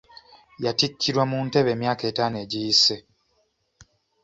Yattikirwa mu ntebe emyaka etaano egiyise.